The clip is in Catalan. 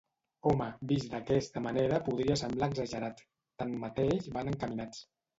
Home, vist d'aquesta manera podria semblar exagerat, tanmateix van encaminats.